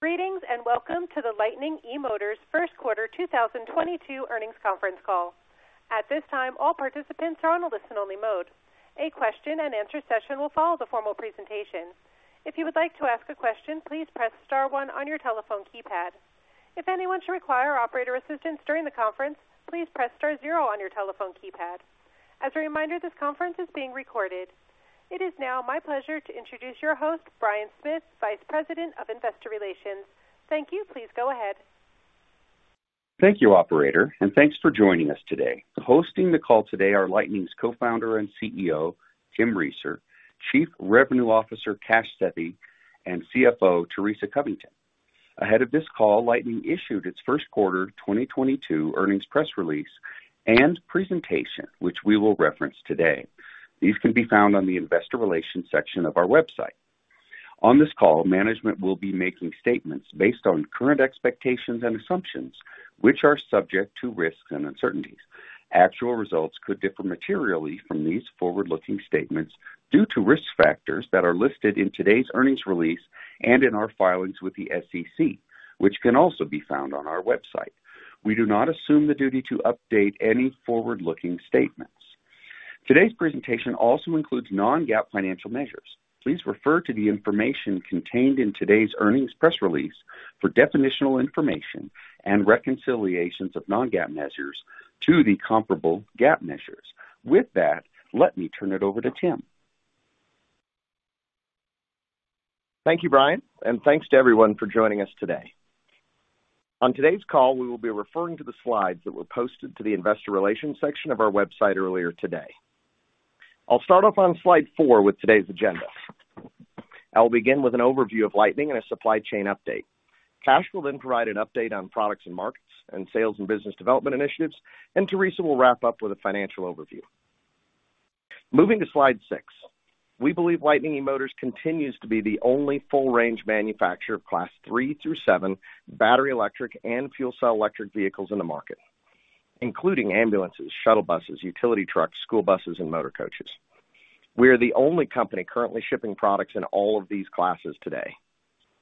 Greetings, and welcome to the Lightning eMotors first quarter 2022 earnings conference call. At this time, all participants are on a listen only mode. A question-and-answer session will follow the formal presentation. If you would like to ask a question, please press star one on your telephone keypad. If anyone should require operator assistance during the conference, please press star zero on your telephone keypad. As a reminder, this conference is being recorded. It is now my pleasure to introduce your host, Brian Smith, Vice President of Investor Relations. Thank you. Please go ahead. Thank you, operator, and thanks for joining us today. Hosting the call today are Lightning's Co-founder and CEO, Tim Reeser, Chief Revenue Officer, Kash Sethi, and CFO, Teresa Covington. Ahead of this call, Lightning issued its first quarter 2022 earnings press release and presentation, which we will reference today. These can be found on the investor relations section of our website. On this call, management will be making statements based on current expectations and assumptions, which are subject to risks and uncertainties. Actual results could differ materially from these forward-looking statements due to risk factors that are listed in today's earnings release and in our filings with the SEC, which can also be found on our website. We do not assume the duty to update any forward-looking statements. Today's presentation also includes non-GAAP financial measures. Please refer to the information contained in today's earnings press release for definitional information and reconciliations of non-GAAP measures to the comparable GAAP measures. With that, let me turn it over to Tim. Thank you, Brian, and thanks to everyone for joining us today. On today's call, we will be referring to the slides that were posted to the investor relations section of our website earlier today. I'll start off on slide four with today's agenda. I'll begin with an overview of Lightning and a supply chain update. Kash will then provide an update on products and markets and sales and business development initiatives, and Teresa will wrap up with a financial overview. Moving to slide six. We believe Lightning eMotors continues to be the only full range manufacturer of Class 3 through 7 battery, electric and fuel cell electric vehicles in the market, including ambulances, shuttle buses, utility trucks, school buses, and motor coaches. We are the only company currently shipping products in all of these classes today.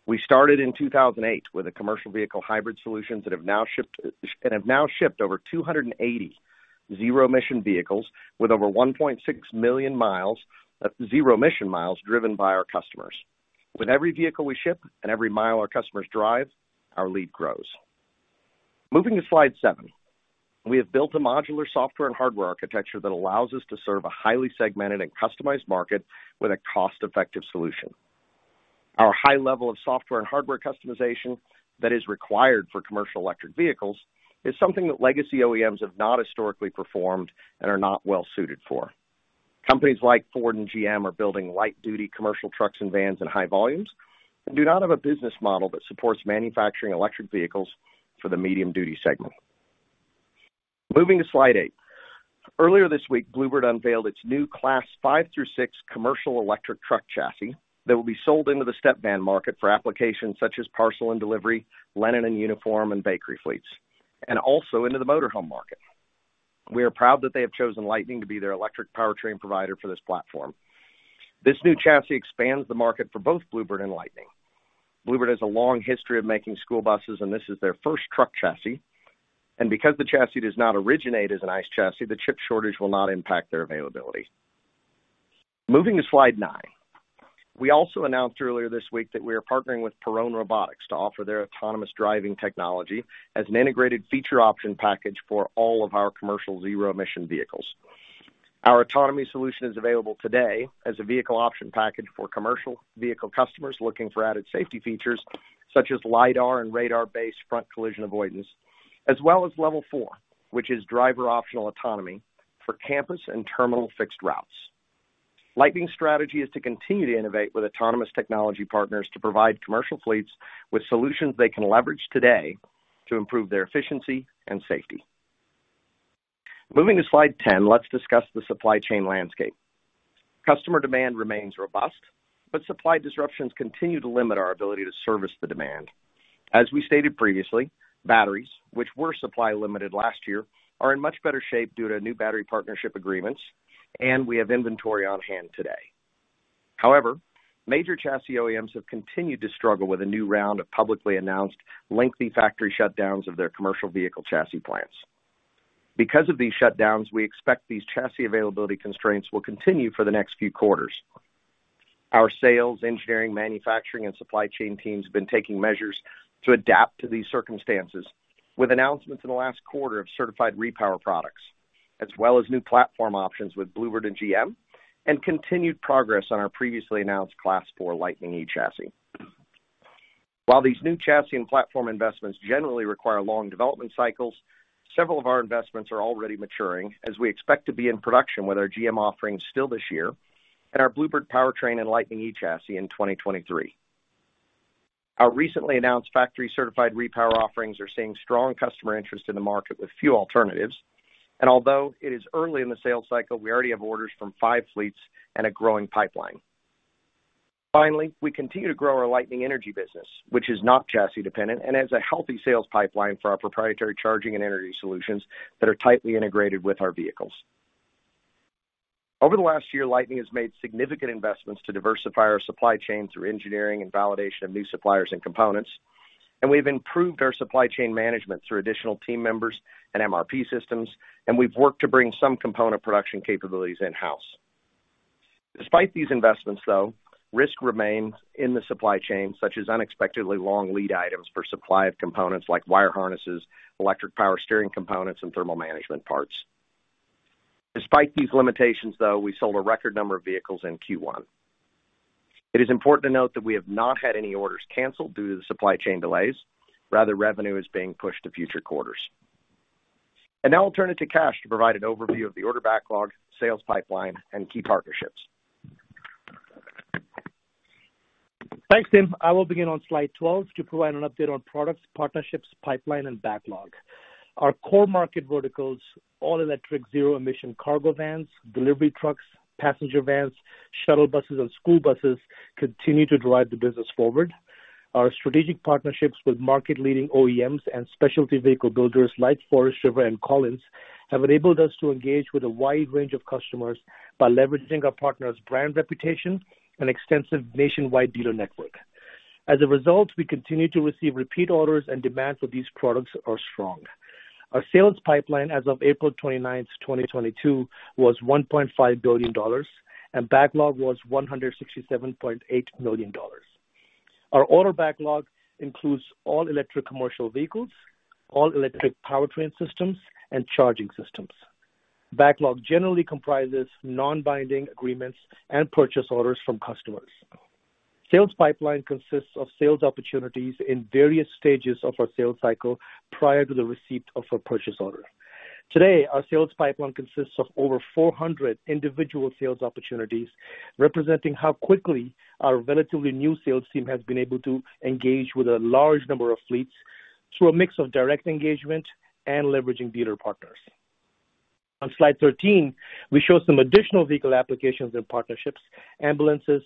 We started in 2008 with a commercial vehicle hybrid solutions and have now shipped over 280 zero-emission vehicles with over 1.6 million zero-emission miles driven by our customers. With every vehicle we ship and every mile our customers drive, our lead grows. Moving to slide seven. We have built a modular software and hardware architecture that allows us to serve a highly segmented and customized market with a cost-effective solution. Our high level of software and hardware customization that is required for commercial electric vehicles is something that legacy OEMs have not historically performed and are not well suited for. Companies like Ford and GM are building light duty commercial trucks and vans in high volumes and do not have a business model that supports manufacturing electric vehicles for the medium duty segment. Moving to slide eight. Earlier this week, Blue Bird unveiled its new Class 5 through 6 commercial electric truck chassis that will be sold into the step van market for applications such as parcel and delivery, linen and uniform, and bakery fleets, and also into the motorhome market. We are proud that they have chosen Lightning to be their electric powertrain provider for this platform. This new chassis expands the market for both Blue Bird and Lightning. Blue Bird has a long history of making school buses, and this is their first truck chassis. Because the chassis does not originate as an ICE chassis, the chip shortage will not impact their availability. Moving to slide nine. We also announced earlier this week that we are partnering with Perrone Robotics to offer their autonomous driving technology as an integrated feature option package for all of our commercial zero-emission vehicles. Our autonomy solution is available today as a vehicle option package for commercial vehicle customers looking for added safety features such as lidar and radar-based front collision avoidance, as well as Level 4, which is driver optional autonomy for campus and terminal fixed routes. Lightning's strategy is to continue to innovate with autonomous technology partners to provide commercial fleets with solutions they can leverage today to improve their efficiency and safety. Moving to slide 10, let's discuss the supply chain landscape. Customer demand remains robust, but supply disruptions continue to limit our ability to service the demand. As we stated previously, batteries, which were supply limited last year, are in much better shape due to new battery partnership agreements, and we have inventory on hand today. However, major chassis OEMs have continued to struggle with a new round of publicly announced lengthy factory shutdowns of their commercial vehicle chassis plants. Because of these shutdowns, we expect these chassis availability constraints will continue for the next few quarters. Our sales, engineering, manufacturing, and supply chain teams have been taking measures to adapt to these circumstances with announcements in the last quarter of certified repower products, as well as new platform options with Blue Bird and GM and continued progress on our previously announced Class 4 Lightning eChassis. While these new chassis and platform investments generally require long development cycles, several of our investments are already maturing as we expect to be in production with our GM offerings still this year and our Blue Bird powertrain and Lightning eChassis in 2023. Our recently announced factory-certified repower offerings are seeing strong customer interest in the market with few alternatives. Although it is early in the sales cycle, we already have orders from 5 fleets and a growing pipeline. Finally, we continue to grow our Lightning Energy business, which is not chassis dependent and has a healthy sales pipeline for our proprietary charging and energy solutions that are tightly integrated with our vehicles. Over the last year, Lightning has made significant investments to diversify our supply chain through engineering and validation of new suppliers and components. We've improved our supply chain management through additional team members and MRP systems, and we've worked to bring some component production capabilities in-house. Despite these investments, though, risk remains in the supply chain, such as unexpectedly long lead times for supply of components like wire harnesses, electric power steering components, and thermal management parts. Despite these limitations, though, we sold a record number of vehicles in Q1. It is important to note that we have not had any orders canceled due to the supply chain delays. Rather, revenue is being pushed to future quarters. Now I'll turn it to Kash to provide an overview of the order backlog, sales pipeline, and key partnerships. Thanks, Tim. I will begin on slide 12 to provide an update on products, partnerships, pipeline, and backlog. Our core market verticals, all-electric, zero-emission cargo vans, delivery trucks, passenger vans, shuttle buses, and school buses, continue to drive the business forward. Our strategic partnerships with market-leading OEMs and specialty vehicle builders like Forest River and Collins have enabled us to engage with a wide range of customers by leveraging our partners' brand reputation and extensive nationwide dealer network. As a result, we continue to receive repeat orders, and demand for these products are strong. Our sales pipeline as of April 29, 2022 was $1.5 billion, and backlog was $167.8 million. Our order backlog includes all-electric commercial vehicles, all-electric powertrain systems, and charging systems. Backlog generally comprises non-binding agreements and purchase orders from customers. Sales pipeline consists of sales opportunities in various stages of our sales cycle prior to the receipt of a purchase order. Today, our sales pipeline consists of over 400 individual sales opportunities, representing how quickly our relatively new sales team has been able to engage with a large number of fleets through a mix of direct engagement and leveraging dealer partners. On slide 13, we show some additional vehicle applications and partnerships, ambulances,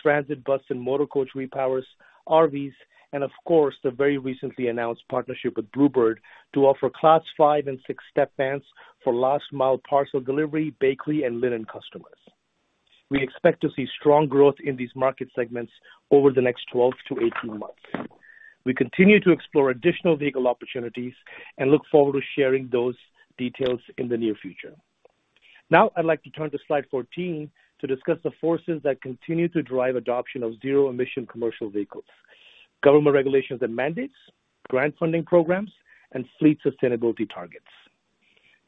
transit bus and motor coach repowers, RVs, and of course, the very recently announced partnership with Blue Bird to offer Class 5 and 6 step vans for last mile parcel delivery, bakery, and linen customers. We expect to see strong growth in these market segments over the next 12-18 months. We continue to explore additional vehicle opportunities and look forward to sharing those details in the near future. Now, I'd like to turn to slide 14 to discuss the forces that continue to drive adoption of zero-emission commercial vehicles. Government regulations and mandates, grant funding programs, and fleet sustainability targets.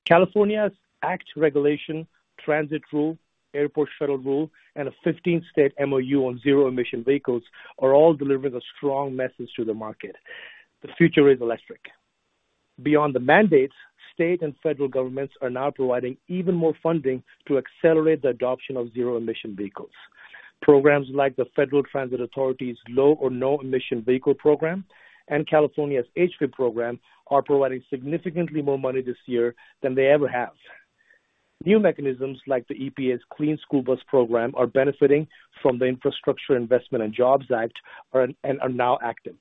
California's ACT regulation, transit rule, airport shuttle rule, and a 15-state MOU on zero-emission vehicles are all delivering a strong message to the market. The future is electric. Beyond the mandates, state and federal governments are now providing even more funding to accelerate the adoption of zero-emission vehicles. Programs like the Federal Transit Administration's Low or No Emission Vehicle program and California's HVIP program are providing significantly more money this year than they ever have. New mechanisms like the EPA's Clean School Bus program are benefiting from the Infrastructure Investment and Jobs Act and are now active.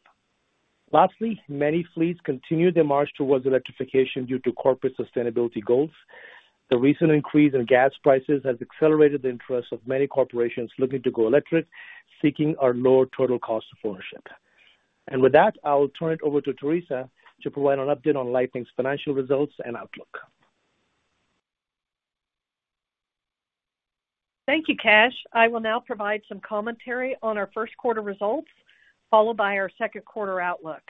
Lastly, many fleets continue their march towards electrification due to corporate sustainability goals. The recent increase in gas prices has accelerated the interest of many corporations looking to go electric, seeking our lower total cost of ownership. With that, I will turn it over to Teresa to provide an update on Lightning's financial results and outlook. Thank you, Kash. I will now provide some commentary on our first quarter results, followed by our second quarter outlook.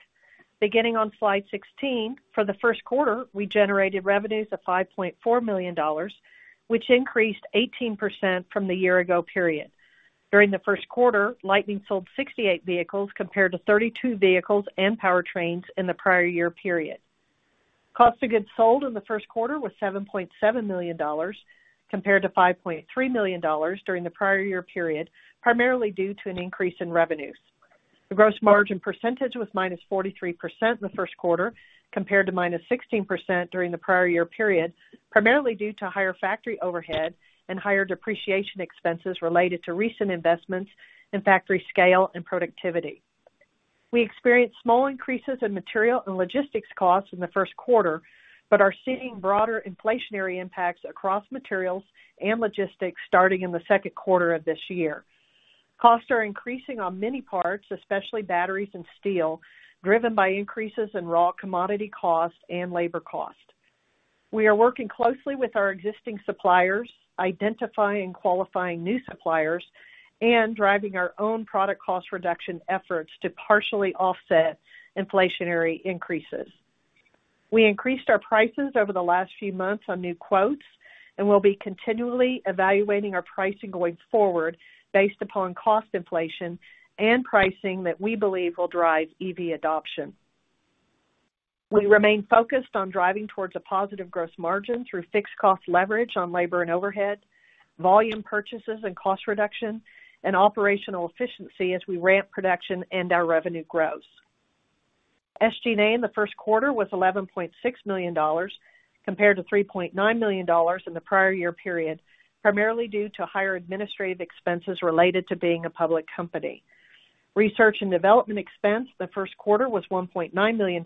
Beginning on slide 16, for the first quarter, we generated revenues of $5.4 million, which increased 18% from the year ago period. During the first quarter, Lightning sold 68 vehicles, compared to 32 vehicles and powertrains in the prior year period. Cost of goods sold in the first quarter was $7.7 million, compared to $5.3 million during the prior year period, primarily due to an increase in revenues. The gross margin percentage was -43% in the first quarter, compared to -16% during the prior year period, primarily due to higher factory overhead and higher depreciation expenses related to recent investments in factory scale and productivity. We experienced small increases in material and logistics costs in the first quarter, but are seeing broader inflationary impacts across materials and logistics starting in the second quarter of this year. Costs are increasing on many parts, especially batteries and steel, driven by increases in raw commodity costs and labor cost. We are working closely with our existing suppliers, identifying and qualifying new suppliers, and driving our own product cost reduction efforts to partially offset inflationary increases. We increased our prices over the last few months on new quotes, and we'll be continually evaluating our pricing going forward based upon cost inflation and pricing that we believe will drive EV adoption. We remain focused on driving towards a positive gross margin through fixed cost leverage on labor and overhead, volume purchases and cost reduction, and operational efficiency as we ramp production and our revenue grows. SG&A in the first quarter was $11.6 million, compared to $3.9 million in the prior year period, primarily due to higher administrative expenses related to being a public company. Research and development expense in the first quarter was $1.9 million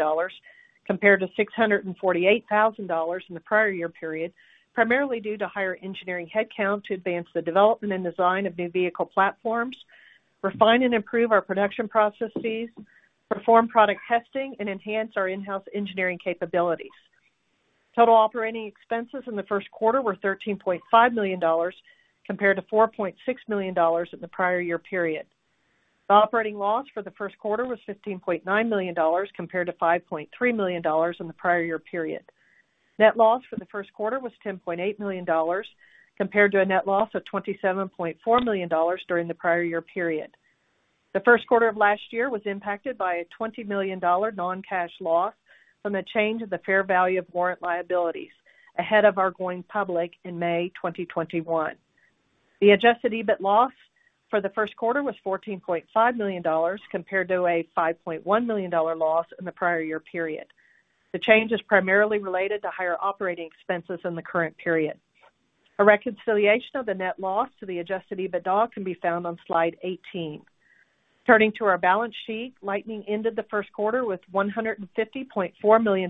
compared to $648 thousand in the prior year period, primarily due to higher engineering headcount to advance the development and design of new vehicle platforms, refine and improve our production processes, perform product testing and enhance our in-house engineering capabilities. Total operating expenses in the first quarter were $13.5 million compared to $4.6 million in the prior year period. The operating loss for the first quarter was $15.9 million compared to $5.3 million in the prior year period. Net loss for the first quarter was $10.8 million compared to a net loss of $27.4 million during the prior year period. The first quarter of last year was impacted by a $20 million non-cash loss from a change in the fair value of warrant liabilities ahead of our going public in May 2021. The Adjusted EBITDA loss for the first quarter was $14.5 million compared to a $5.1 million loss in the prior year period. The change is primarily related to higher operating expenses in the current period. A reconciliation of the net loss to the Adjusted EBITDA can be found on slide 18. Turning to our balance sheet, Lightning ended the first quarter with $150.4 million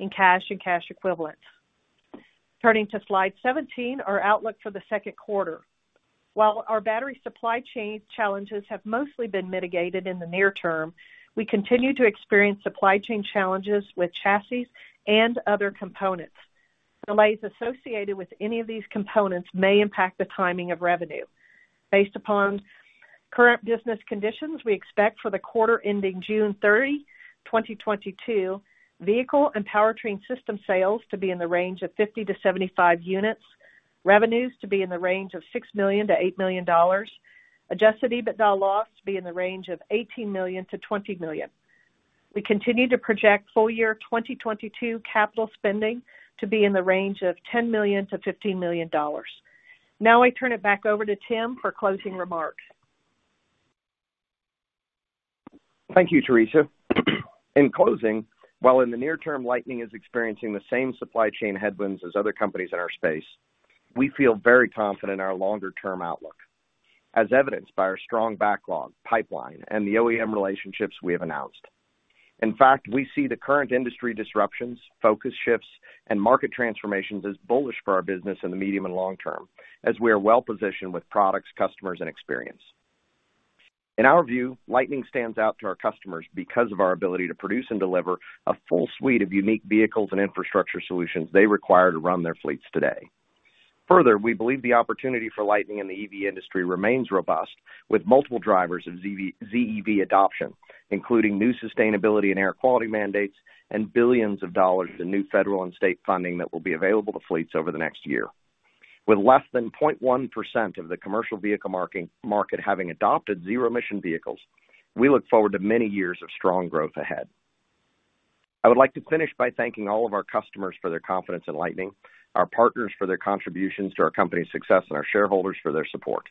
in cash and cash equivalents. Turning to slide 17, our outlook for the second quarter. While our battery supply chain challenges have mostly been mitigated in the near term, we continue to experience supply chain challenges with chassis and other components. Delays associated with any of these components may impact the timing of revenue. Based upon current business conditions, we expect for the quarter ending June 30th, 2022, vehicle and powertrain system sales to be in the range of 50-75 units, revenues to be in the range of $6 million-$8 million, Adjusted EBITDA loss to be in the range of $18 million-$20 million. We continue to project full year 2022 capital spending to be in the range of $10 million-$15 million. Now I turn it back over to Tim for closing remarks. Thank you, Teresa. In closing, while in the near term Lightning is experiencing the same supply chain headwinds as other companies in our space, we feel very confident in our longer-term outlook, as evidenced by our strong backlog pipeline and the OEM relationships we have announced. In fact, we see the current industry disruptions, focus shifts and market transformations as bullish for our business in the medium and long term as we are well positioned with products, customers and experience. In our view, Lightning stands out to our customers because of our ability to produce and deliver a full suite of unique vehicles and infrastructure solutions they require to run their fleets today. Further, we believe the opportunity for Lightning in the EV industry remains robust, with multiple drivers of ZEV adoption, including new sustainability and air quality mandates and billions of dollars in new federal and state funding that will be available to fleets over the next year. With less than 0.1% of the commercial vehicle market having adopted zero emission vehicles, we look forward to many years of strong growth ahead. I would like to finish by thanking all of our customers for their confidence in Lightning, our partners for their contributions to our company's success, and our shareholders for their support.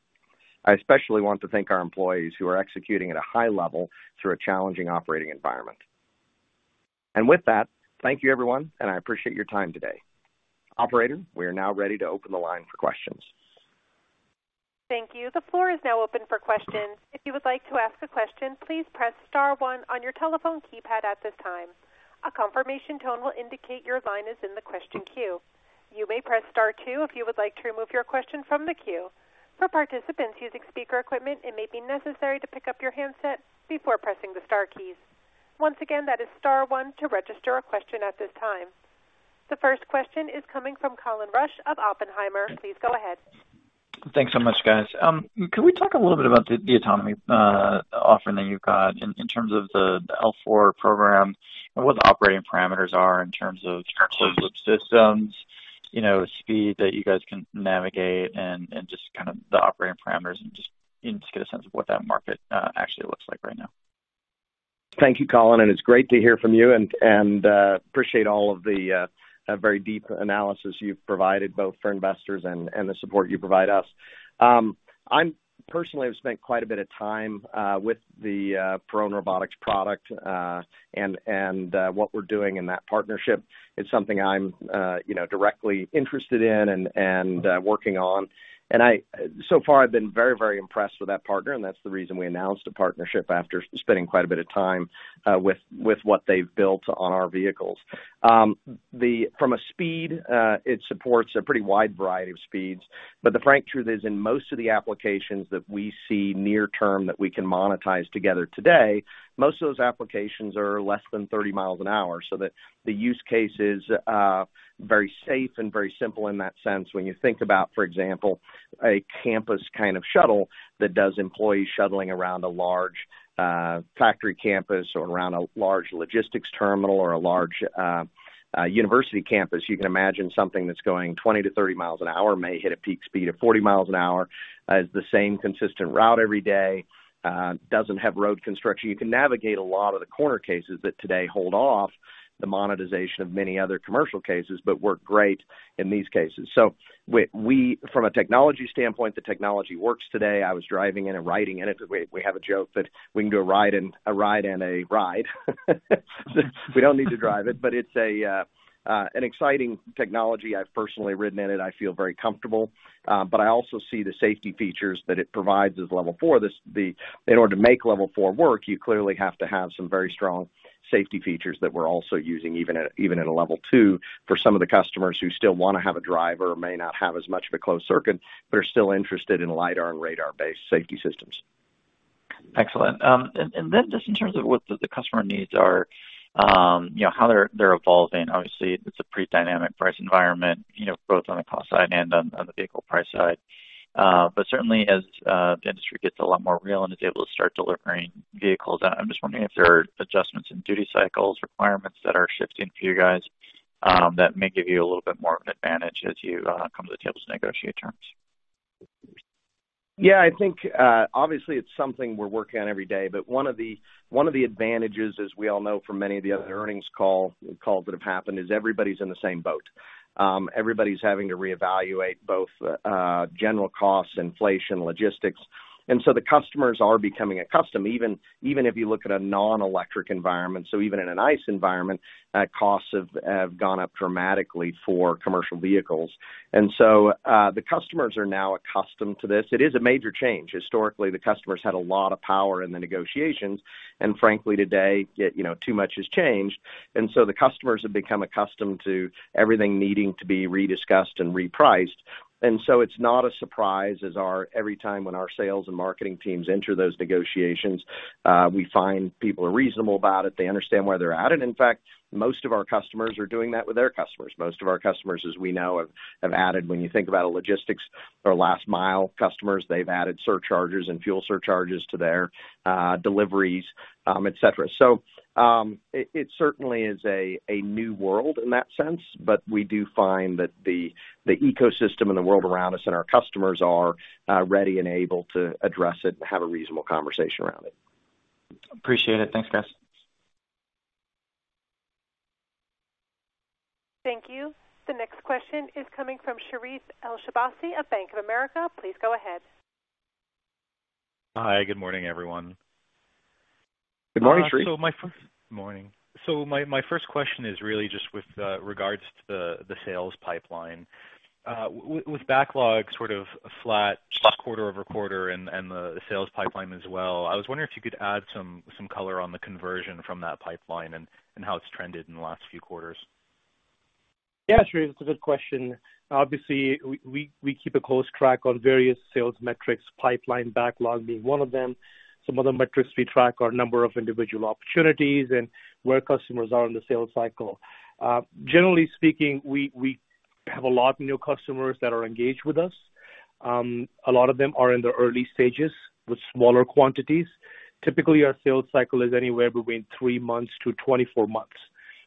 I especially want to thank our employees who are executing at a high level through a challenging operating environment. With that, thank you, everyone, and I appreciate your time today. Operator, we are now ready to open the line for questions. Thank you. The floor is now open for questions. If you would like to ask a question, please press star one on your telephone keypad at this time. A confirmation tone will indicate your line is in the question queue. You may press star two if you would like to remove your question from the queue. For participants using speaker equipment, it may be necessary to pick up your handset before pressing the star keys. Once again, that is star one to register a question at this time. The first question is coming from Colin Rusch of Oppenheimer. Please go ahead. Thanks so much, guys. Can we talk a little bit about the autonomy offering that you've got in terms of the L4 program and what the operating parameters are in terms of closed loop systems, you know, speed that you guys can navigate and just kind of the operating parameters and just get a sense of what that market actually looks like right now. Thank you, Colin, and it's great to hear from you and appreciate all of the very deep analysis you've provided both for investors and the support you provide us. I'm personally have spent quite a bit of time with the Perrone Robotics product and what we're doing in that partnership. It's something I'm you know directly interested in and working on. So far I've been very impressed with that partner, and that's the reason we announced a partnership after spending quite a bit of time with what they've built on our vehicles. From a speed, it supports a pretty wide variety of speeds. The frank truth is, in most of the applications that we see near term that we can monetize together today, most of those applications are less than 30 miles an hour. The use case is very safe and very simple in that sense. When you think about, for example, a campus kind of shuttle that does employee shuttling around a large factory campus or around a large logistics terminal or a large university campus, you can imagine something that's going 20-30 miles an hour, may hit a peak speed of 40 miles an hour, has the same consistent route every day, doesn't have road construction. You can navigate a lot of the corner cases that today hold off the monetization of many other commercial cases, but work great in these cases. From a technology standpoint, the technology works today. I was driving it and riding in it. We have a joke that we can do a ride in a ride in a ride. We don't need to drive it, but it's an exciting technology. I've personally ridden in it. I feel very comfortable. I also see the safety features that it provides as Level 4. In order to make Level 4 work, you clearly have to have some very strong safety features that we're also using, even at a Level 2 for some of the customers who still want to have a driver, may not have as much of a closed circuit, but are still interested in lidar and radar-based safety systems. Excellent. Just in terms of what the customer needs are, you know, how they're evolving. Obviously, it's a pretty dynamic price environment, you know, both on the cost side and on the vehicle price side. Certainly as the industry gets a lot more real and is able to start delivering vehicles, I'm just wondering if there are adjustments in duty cycles requirements that are shifting for you guys, that may give you a little bit more of an advantage as you come to the table to negotiate terms. Yeah, I think, obviously it's something we're working on every day, but one of the advantages, as we all know from many of the other earnings calls that have happened, is everybody's in the same boat. Everybody's having to reevaluate both general costs, inflation, logistics. The customers are becoming accustomed, even if you look at a non-electric environment, so even in an ICE environment, costs have gone up dramatically for commercial vehicles. The customers are now accustomed to this. It is a major change. Historically, the customers had a lot of power in the negotiations, and frankly, today, it, you know, too much has changed. The customers have become accustomed to everything needing to be rediscussed and repriced. It's not a surprise every time when our sales and marketing teams enter those negotiations, we find people are reasonable about it. They understand where they're at. In fact, most of our customers are doing that with their customers. Most of our customers, as we know, have added, when you think about a logistics or last mile customers, they've added surcharges and fuel surcharges to their deliveries, et cetera. It certainly is a new world in that sense, but we do find that the ecosystem and the world around us and our customers are ready and able to address it and have a reasonable conversation around it. Appreciate it. Thanks, guys. Thank you. The next question is coming from Sherif El-Sabbahy at Bank of America. Please go ahead. Hi, good morning, everyone. Good morning, Sherif. My first question is really just with regards to the sales pipeline. With backlog sort of flat quarter-over-quarter and the sales pipeline as well, I was wondering if you could add some color on the conversion from that pipeline and how it's trended in the last few quarters. Yeah, Sherif, it's a good question. Obviously, we keep a close track on various sales metrics, pipeline backlog being one of them. Some other metrics we track are number of individual opportunities and where customers are in the sales cycle. Generally speaking, we have a lot of new customers that are engaged with us. A lot of them are in the early stages with smaller quantities. Typically, our sales cycle is anywhere between 3 months to 24 months,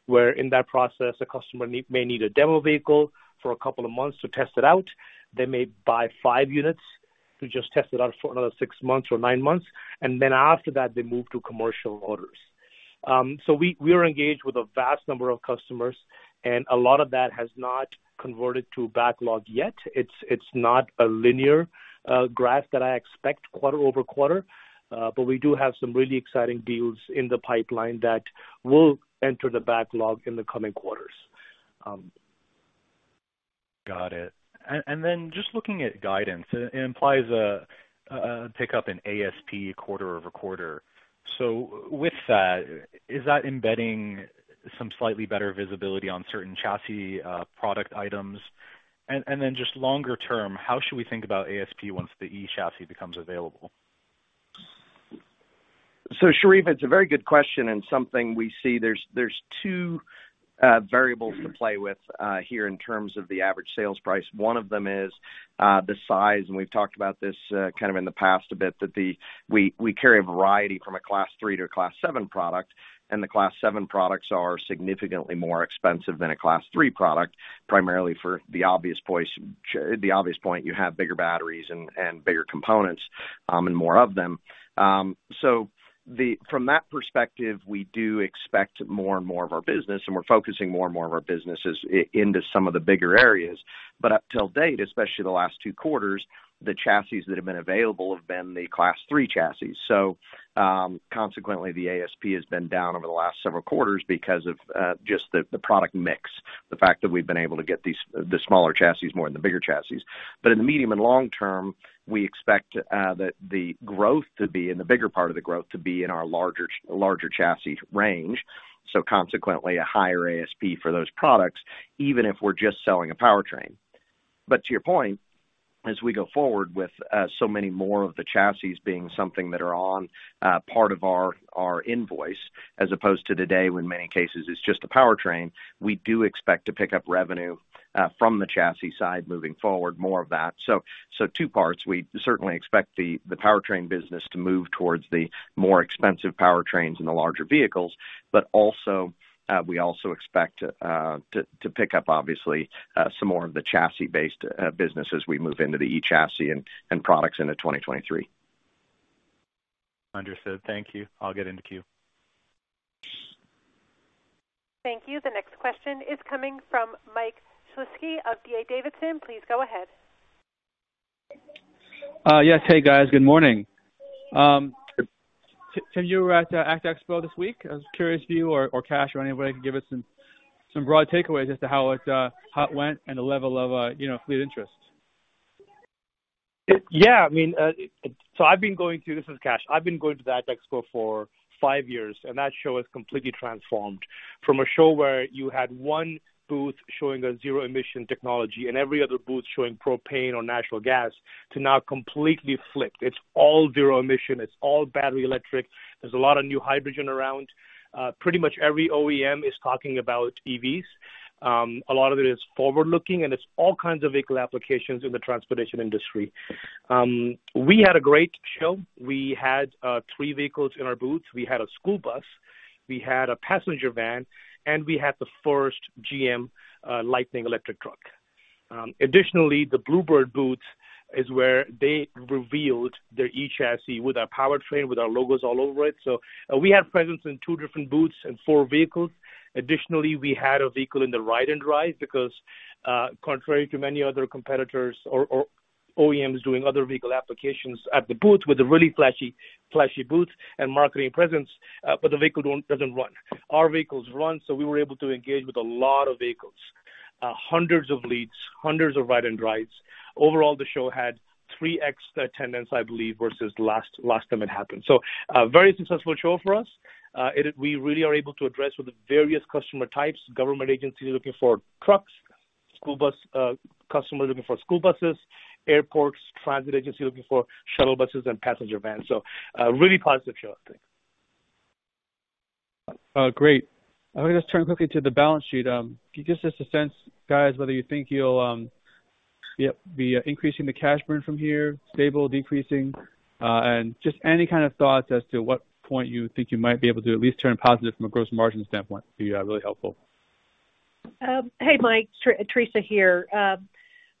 where in that process, a customer may need a demo vehicle for a couple of months to test it out. They may buy five units to just test it out for another 6 months or 9 months, and then after that, they move to commercial orders. We are engaged with a vast number of customers, and a lot of that has not converted to backlog yet. It's not a linear graph that I expect quarter-over-quarter, but we do have some really exciting deals in the pipeline that will enter the backlog in the coming quarters. Got it. Then just looking at guidance, it implies a pick up in ASP quarter-over-quarter. With that, is that embedding some slightly better visibility on certain chassis, product items? Then just longer term, how should we think about ASP once the eChassis becomes available? Sherif, it's a very good question and something we see. There are two variables to play with here in terms of the average sales price. One of them is the size, and we've talked about this kind of in the past a bit, that we carry a variety from a Class 3 to a Class 7 product, and the Class 7 products are significantly more expensive than a Class 3 product, primarily for the obvious point, you have bigger batteries and bigger components, and more of them. From that perspective, we do expect more and more of our business, and we're focusing more and more of our business into some of the bigger areas. Up to date, especially the last two quarters, the chassis that have been available have been the Class 3 chassis. Consequently, the ASP has been down over the last several quarters because of just the product mix, the fact that we've been able to get these the smaller chassis more than the bigger chassis. In the medium and long term, we expect the growth to be and the bigger part of the growth to be in our larger chassis range, so consequently a higher ASP for those products, even if we're just selling a powertrain. To your point, as we go forward with so many more of the chassis being something that are on part of our invoice, as opposed to today, when in many cases it's just a powertrain, we do expect to pick up revenue from the chassis side moving forward, more of that. So two parts. We certainly expect the powertrain business to move towards the more expensive powertrains and the larger vehicles, but also we expect to pick up obviously some more of the chassis-based business as we move into the eChassis and products into 2023. Understood. Thank you. I'll get in the queue. Thank you. The next question is coming from Mike Shlisky of D.A. Davidson. Please go ahead. Yes. Hey, guys. Good morning. Tim, you were at ACT Expo this week. I was curious if you or Kash or anybody can give us some broad takeaways as to how it went and the level of, you know, fleet interest. Yeah, I mean, so this is Kash. I've been going to that expo for five years, and that show has completely transformed from a show where you had one booth showing a zero-emission technology and every other booth showing propane or natural gas to now completely flipped. It's all zero-emission, it's all battery electric. There's a lot of new hydrogen around. Pretty much every OEM is talking about EVs. A lot of it is forward-looking, and it's all kinds of vehicle applications in the transportation industry. We had a great show. We had three vehicles in our booth. We had a school bus, we had a passenger van, and we had the first GM Lightning electric truck. Additionally, the Blue Bird booth is where they revealed their eChassis with our powertrain, with our logos all over it. We had presence in two different booths and four vehicles. Additionally, we had a vehicle in the ride-and-drive because, contrary to many other competitors or OEMs doing other vehicle applications at the booth with a really flashy booth and marketing presence, but the vehicle doesn't run. Our vehicles run, so we were able to engage with a lot of vehicles. Hundreds of leads, hundreds of ride-and-drives. Overall, the show had 3x attendance, I believe, versus last time it happened. A very successful show for us. We really are able to address with the various customer types, government agencies looking for trucks, school bus customers looking for school buses, airports, transit agencies looking for shuttle buses and passenger vans. A really positive show, I think. Great. I'm gonna just turn quickly to the balance sheet. Can you give us just a sense, guys, whether you think you'll be increasing the cash burn from here, stable, decreasing? Just any kind of thoughts as to what point you think you might be able to at least turn positive from a gross margin standpoint would be really helpful. Hey, Mike. Teresa here.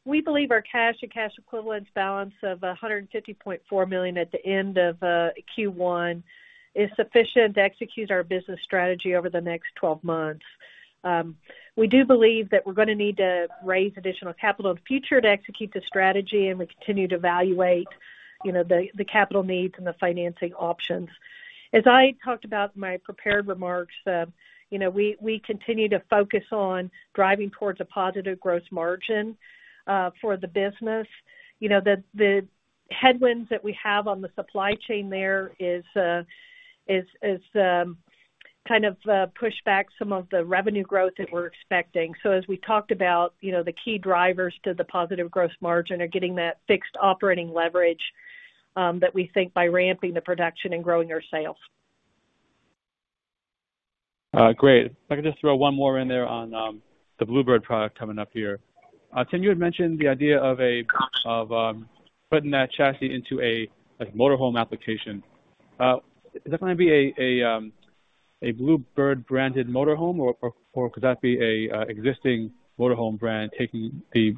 We believe our cash and cash equivalents balance of $150.4 million at the end of Q1 is sufficient to execute our business strategy over the next 12 months. We do believe that we're gonna need to raise additional capital in the future to execute the strategy, and we continue to evaluate, you know, the capital needs and the financing options. As I talked about in my prepared remarks, you know, we continue to focus on driving towards a positive gross margin for the business. You know, the headwinds that we have on the supply chain there is kind of pushed back some of the revenue growth that we're expecting. As we talked about, you know, the key drivers to the positive gross margin are getting that fixed operating leverage that we think by ramping the production and growing our sales. Great. If I could just throw one more in there on the Blue Bird product coming up here. Tim, you had mentioned the idea of putting that chassis into a like motor home application. Is that gonna be a Blue Bird branded motor home or could that be a existing motor home brand taking the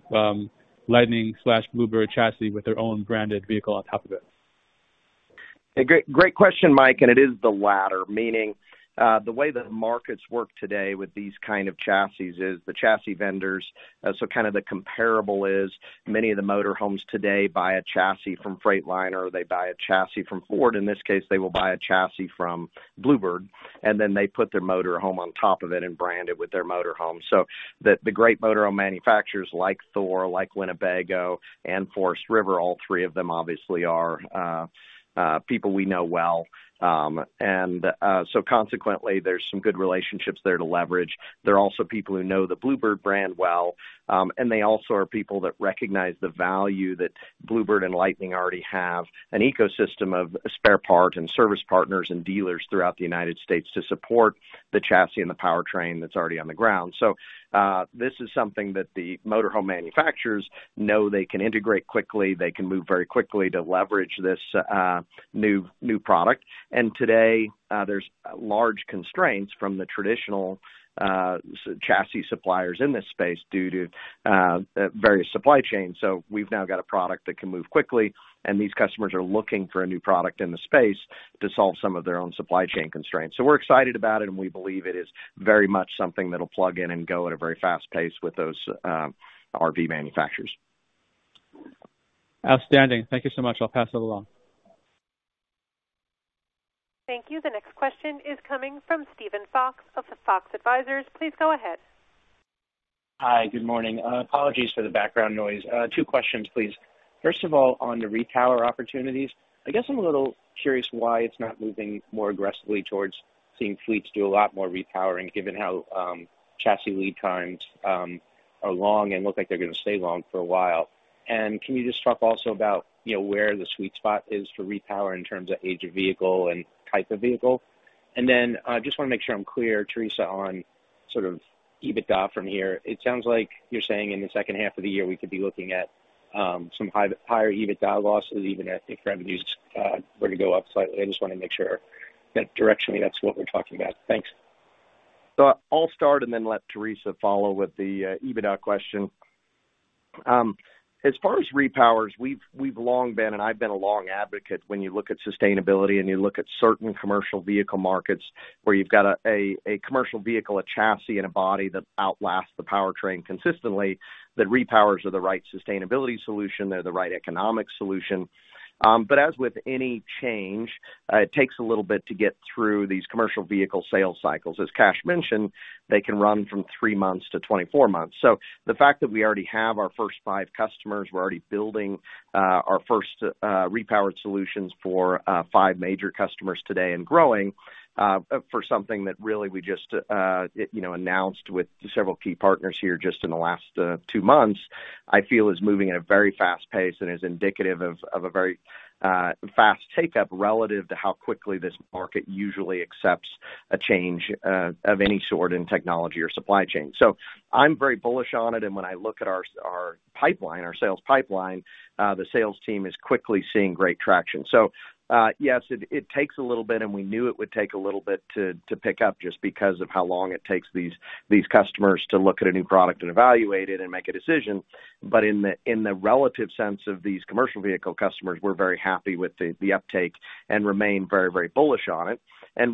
Lightning/Blue Bird chassis with their own branded vehicle on top of it? A great question, Mike, and it is the latter, meaning the way the markets work today with these kind of chassis is the chassis vendors. Kind of the comparable is many of the motor homes today buy a chassis from Freightliner. They buy a chassis from Ford. In this case, they will buy a chassis from Blue Bird, and then they put their motor home on top of it and brand it with their motor home. The great motor home manufacturers like Thor, like Winnebago and Forest River, all three of them obviously are people we know well. Consequently, there's some good relationships there to leverage. They're also people who know the Blue Bird brand well, and they also are people that recognize the value that Blue Bird and Lightning already have an ecosystem of spare parts and service partners and dealers throughout the United States to support the chassis and the powertrain that's already on the ground. This is something that the motor home manufacturers know they can integrate quickly. They can move very quickly to leverage this new product. Today, there's large constraints from the traditional S-chassis suppliers in this space due to various supply chains. We've now got a product that can move quickly, and these customers are looking for a new product in the space to solve some of their own supply chain constraints. We're excited about it, and we believe it is very much something that'll plug in and go at a very fast pace with those, RV manufacturers. Outstanding. Thank you so much. I'll pass that along. Thank you. The next question is coming from Steven Fox of Fox Advisors. Please go ahead. Hi. Good morning. Apologies for the background noise. Two questions, please. First of all, on the repower opportunities, I guess I'm a little curious why it's not moving more aggressively towards seeing fleets do a lot more repowering, given how chassis lead times are long and look like they're gonna stay long for a while. Can you just talk also about, you know, where the sweet spot is for repower in terms of age of vehicle and type of vehicle? Then I just wanna make sure I'm clear, Teresa, on sort of EBITDA from here. It sounds like you're saying in the second half of the year, we could be looking at some higher EBITDA losses even as the revenues were to go up slightly. I just wanna make sure that directionally that's what we're talking about. Thanks. I'll start and then let Teresa follow with the EBITDA question. As far as repowers, we've long been, and I've been a long advocate when you look at sustainability and you look at certain commercial vehicle markets where you've got a commercial vehicle, a chassis, and a body that outlasts the powertrain consistently, that repowers are the right sustainability solution, they're the right economic solution. As with any change, it takes a little bit to get through these commercial vehicle sales cycles. As Kash mentioned, they can run from 3 months to 24 months. The fact that we already have our first 5 customers, we're already building our first repowered solutions for 5 major customers today and growing for something that really we just you know announced with several key partners here just in the last 2 months, I feel is moving at a very fast pace and is indicative of a very fast take-up relative to how quickly this market usually accepts a change of any sort in technology or supply chain. I'm very bullish on it, and when I look at our pipeline, our sales pipeline, the sales team is quickly seeing great traction. Yes, it takes a little bit, and we knew it would take a little bit to pick up just because of how long it takes these customers to look at a new product and evaluate it and make a decision. But in the relative sense of these commercial vehicle customers, we're very happy with the uptake and remain very, very bullish on it.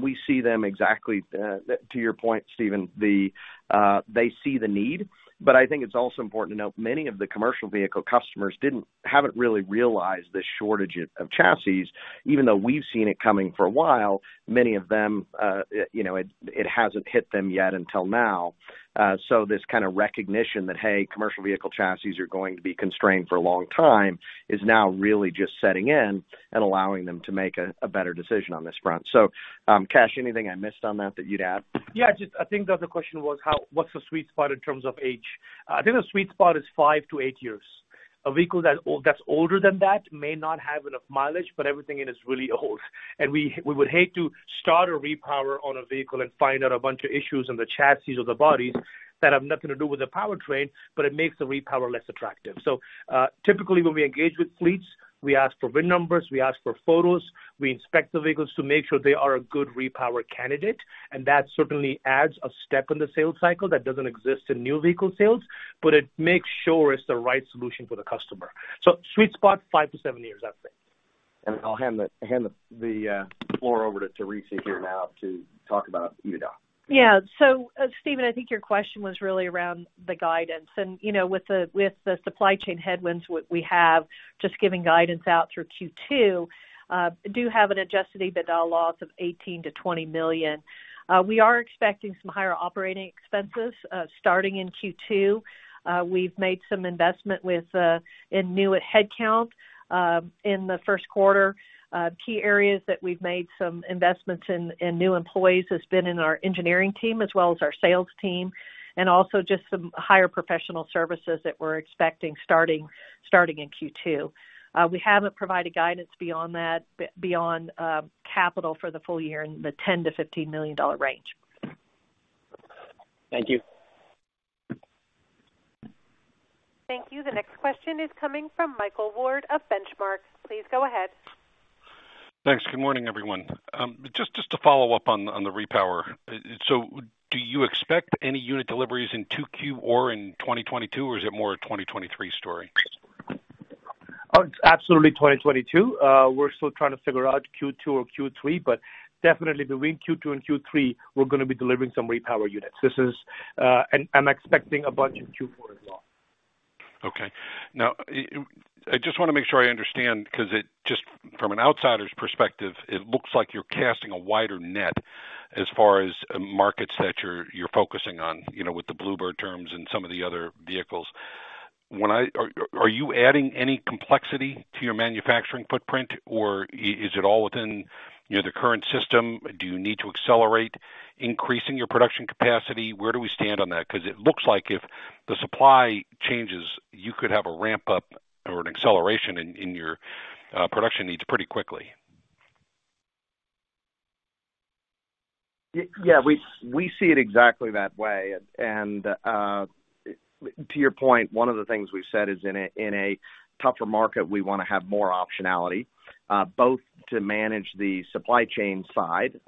We see them exactly to your point, Steven, they see the need. But I think it's also important to note many of the commercial vehicle customers haven't really realized the shortage of chassis, even though we've seen it coming for a while. Many of them, you know, it hasn't hit them yet until now. This kind of recognition that, hey, commercial vehicle chassis are going to be constrained for a long time is now really just setting in and allowing them to make a better decision on this front. Kash, anything I missed on that you'd add? I think the other question was what's the sweet spot in terms of age? I think the sweet spot is 5-8 years. A vehicle that old, that's older than that may not have enough mileage, but everything in is really old. We would hate to start a repower on a vehicle and find out a bunch of issues in the chassis or the bodies that have nothing to do with the powertrain, but it makes the repower less attractive. Typically, when we engage with fleets, we ask for VIN numbers, we ask for photos, we inspect the vehicles to make sure they are a good repower candidate, and that certainly adds a step in the sales cycle that doesn't exist in new vehicle sales, but it makes sure it's the right solution for the customer. Sweet spot, 5-7 years, I would say. I'll hand the floor over to Teresa here now to talk about EBITDA. Yeah, Steven, I think your question was really around the guidance. You know, with the supply chain headwinds we have, just giving guidance out through Q2, do have an Adjusted EBITDA loss of $18 million-$20 million. We are expecting some higher operating expenses starting in Q2. We've made some investment with in new headcount in the first quarter. Key areas that we've made some investments in new employees has been in our engineering team as well as our sales team, and also just some higher professional services that we're expecting starting in Q2. We haven't provided guidance beyond that, beyond capital for the full year in the $10 million-$15 million range. Thank you. Thank you. The next question is coming from Michael Ward of Benchmark. Please go ahead. Thanks. Good morning, everyone. Just to follow up on the repower. Do you expect any unit deliveries in 2Q or in 2022, or is it more a 2023 story? Oh, absolutely 2022. We're still trying to figure out Q2 or Q3, but definitely between Q2 and Q3, we're gonna be delivering some repower units. This is. I'm expecting a bunch in Q4 as well. Okay. Now, I just wanna make sure I understand because it just from an outsider's perspective, it looks like you're casting a wider net as far as markets that you're focusing on, you know, with the Blue Bird terms and some of the other vehicles. Are you adding any complexity to your manufacturing footprint, or is it all within, you know, the current system? Do you need to accelerate increasing your production capacity? Where do we stand on that? Because it looks like if the supply changes, you could have a ramp-up or an acceleration in your production needs pretty quickly. Yeah. We see it exactly that way. To your point, one of the things we've said is in a tougher market, we wanna have more optionality, both to manage the supply chain side.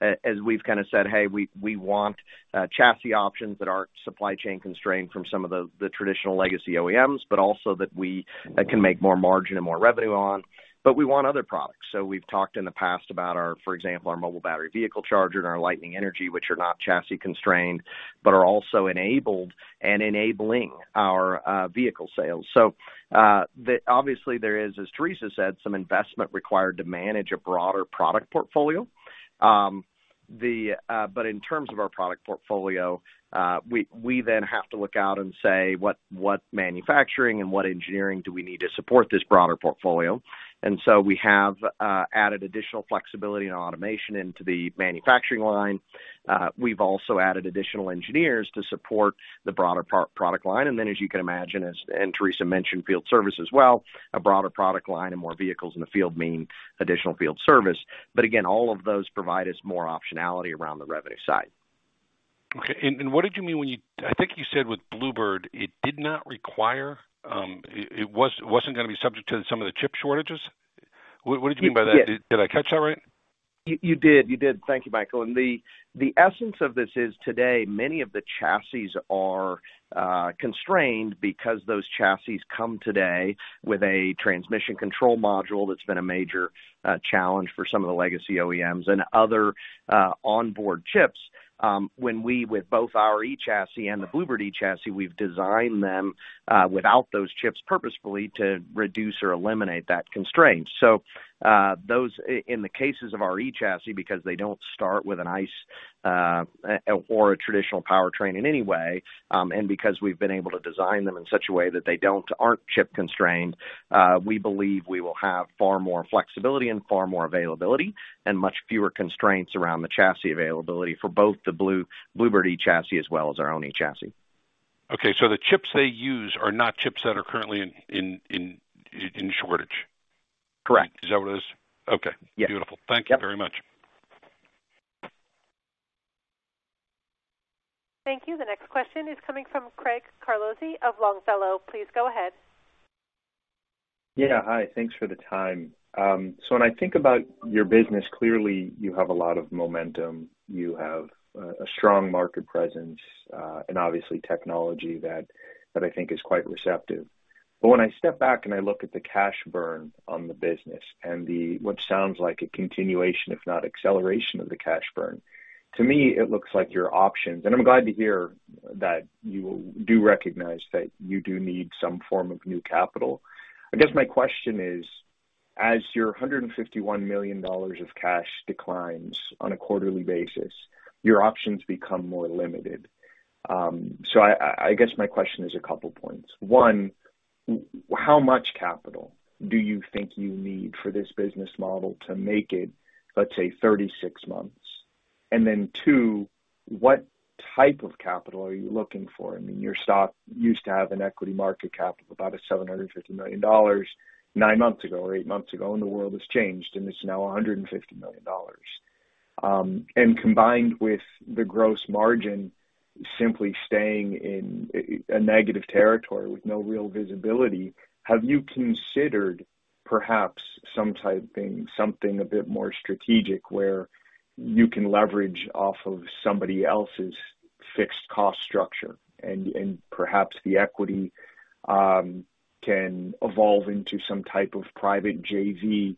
As we've kind of said, "Hey, we want chassis options that aren't supply chain constrained from some of the traditional legacy OEMs, but also that we can make more margin and more revenue on, but we want other products." We've talked in the past about our, for example, our mobile battery vehicle charger and our Lightning Energy, which are not chassis constrained, but are also enabled and enabling our vehicle sales. Obviously, there is, as Teresa said, some investment required to manage a broader product portfolio. In terms of our product portfolio, we then have to look out and say, "What manufacturing and what engineering do we need to support this broader portfolio?" We have added additional flexibility and automation into the manufacturing line. We've also added additional engineers to support the broader product line. As you can imagine, and Teresa mentioned field service as well, a broader product line and more vehicles in the field mean additional field service. All of those provide us more optionality around the revenue side. Okay. What did you mean? I think you said with Blue Bird, it wasn't gonna be subject to some of the chip shortages? What did you mean by that? Did I catch that right? You did. Thank you, Michael. The essence of this is today many of the chassis are constrained because those chassis come today with a transmission control module that's been a major challenge for some of the legacy OEMs and other onboard chips. When we with both our eChassis and the Blue Bird eChassis, we've designed them without those chips purposefully to reduce or eliminate that constraint. Those in the cases of our eChassis, because they don't start with an ICE or a traditional powertrain in any way, and because we've been able to design them in such a way that they don't. aren't chip constrained, we believe we will have far more flexibility and far more availability and much fewer constraints around the chassis availability for both the Blue Bird eChassis as well as our own eChassis. Okay, the chips they use are not chips that are currently in shortage? Correct. Is that what it is? Okay. Yeah. Beautiful. Thank you very much. Thank you. The next question is coming from Craig Carlozzi of Longfellow. Please go ahead. Yeah. Hi. Thanks for the time. When I think about your business, clearly you have a lot of momentum. You have a strong market presence, and obviously technology that I think is quite receptive. When I step back and I look at the cash burn on the business and what sounds like a continuation, if not acceleration, of the cash burn, to me it looks like your options. I'm glad to hear that you do recognize that you do need some form of new capital. I guess my question is, as your $151 million of cash declines on a quarterly basis, your options become more limited. I guess my question is a couple points. One, how much capital do you think you need for this business model to make it, let's say, 36 months? Two, what type of capital are you looking for? I mean, your stock used to have an equity market cap of about $750 million 9 months ago or 8 months ago, and the world has changed and it's now $150 million. Combined with the gross margin simply staying in a negative territory with no real visibility, have you considered perhaps some type thing, something a bit more strategic, where you can leverage off of somebody else's fixed cost structure and perhaps the equity can evolve into some type of private JV,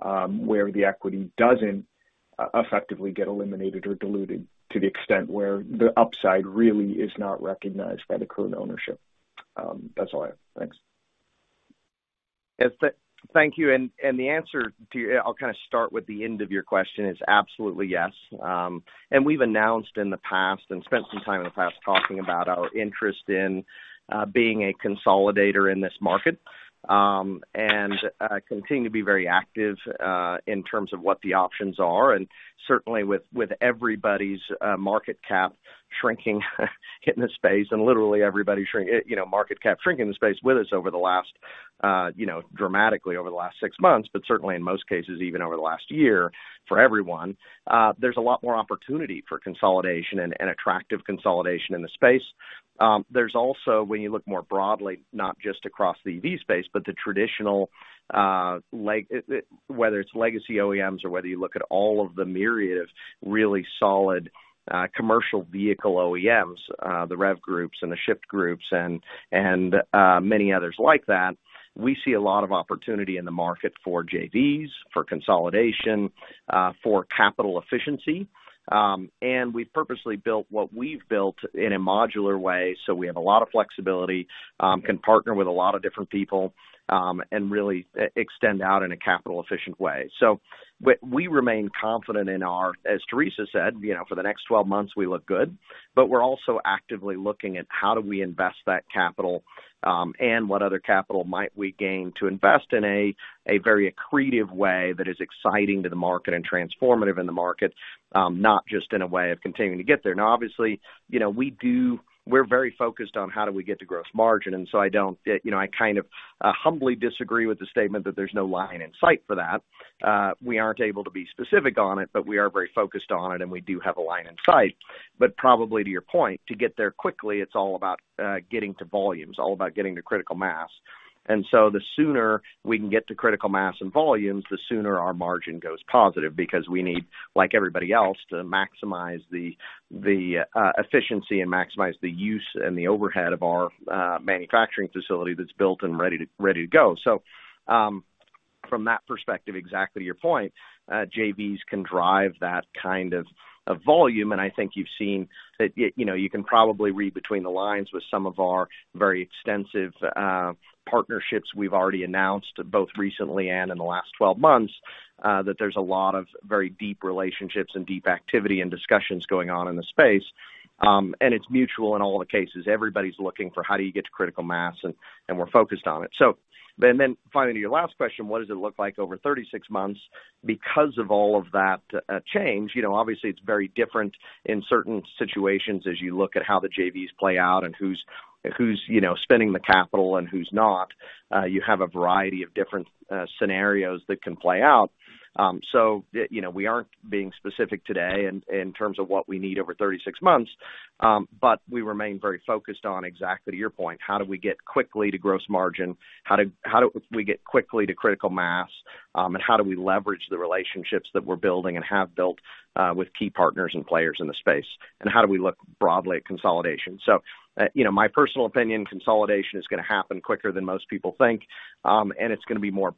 where the equity doesn't effectively get eliminated or diluted to the extent where the upside really is not recognized by the current ownership? That's all I have. Thanks. Yes. Thank you. The answer to I'll kind of start with the end of your question is absolutely yes. We've announced in the past and spent some time in the past talking about our interest in being a consolidator in this market. Continue to be very active in terms of what the options are. Certainly with everybody's market cap shrinking in this space and literally everybody market cap shrinking the space with us over the last dramatically over the last 6 months, but certainly in most cases even over the last year for everyone, there's a lot more opportunity for consolidation and attractive consolidation in the space. There's also, when you look more broadly, not just across the EV space, but the traditional, whether it's legacy OEMs or whether you look at all of the myriad of really solid commercial vehicle OEMs, the REV Group and the Shyft Group and many others like that, we see a lot of opportunity in the market for JVs, for consolidation, for capital efficiency. We've purposely built what we've built in a modular way. We have a lot of flexibility, can partner with a lot of different people, and really extend out in a capital efficient way. We remain confident in our. As Teresa said, you know, for the next 12 months we look good, but we're also actively looking at how do we invest that capital, and what other capital might we gain to invest in a very accretive way that is exciting to the market and transformative in the market, not just in a way of continuing to get there. Now obviously, you know, we're very focused on how do we get to gross margin. I don't, you know, I kind of humbly disagree with the statement that there's no line in sight for that. We aren't able to be specific on it, but we are very focused on it and we do have a line in sight. But probably to your point, to get there quickly, it's all about getting to volumes, all about getting to critical mass. The sooner we can get to critical mass and volumes, the sooner our margin goes positive because we need, like everybody else, to maximize the efficiency and maximize the use and the overhead of our manufacturing facility that's built and ready to go. From that perspective, exactly your point, JVs can drive that kind of volume. I think you've seen that, you know, you can probably read between the lines with some of our very extensive partnerships we've already announced both recently and in the last 12 months, that there's a lot of very deep relationships and deep activity and discussions going on in the space. It's mutual in all the cases. Everybody's looking for how do you get to critical mass and we're focused on it. Finally to your last question, what does it look like over 36 months? Because of all of that, change, you know, obviously it's very different in certain situations as you look at how the JVs play out and who's, you know, spending the capital and who's not. You have a variety of different scenarios that can play out. You know, we aren't being specific today in terms of what we need over 36 months. But we remain very focused on exactly to your point, how do we get quickly to gross margin, how do we get quickly to critical mass, and how do we leverage the relationships that we're building and have built, with key partners and players in the space, and how do we look broadly at consolidation. you know, my personal opinion, consolidation is gonna happen quicker than most people think. It's gonna be more,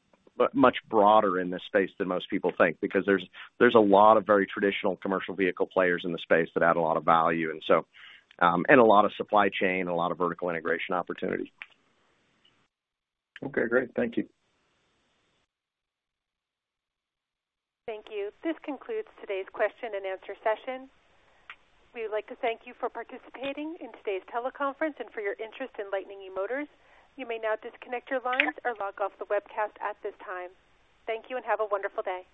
much broader in this space than most people think because there's a lot of very traditional commercial vehicle players in the space that add a lot of value and so, and a lot of supply chain, a lot of vertical integration opportunities. Okay, great. Thank you. Thank you. This concludes today's question and answer session. We would like to thank you for participating in today's teleconference and for your interest in Lightning eMotors. You may now disconnect your lines or log off the webcast at this time. Thank you and have a wonderful day.